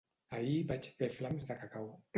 Ahir vaig fer flams de cacau